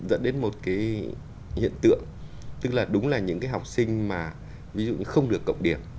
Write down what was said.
dẫn đến một cái hiện tượng tức là đúng là những cái học sinh mà ví dụ như không được cộng điểm